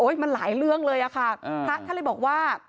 มันหลายเรื่องเลยอะค่ะพระท่านเลยบอกว่า